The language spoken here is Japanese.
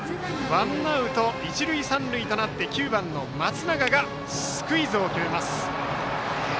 ワンアウト、一塁三塁となって９番の松永がスクイズを決めます。